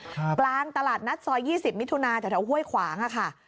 กลางตลาดนัทซอย๒๐มิถุนาแต่เท่าไห้ห้วยขวางค่ะ